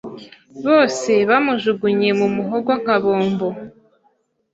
bose bamujugunye mu muhogo nka bombo